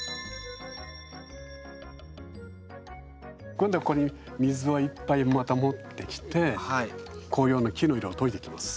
今度はここに水をいっぱいまた持ってきて紅葉の木の色を溶いていきます。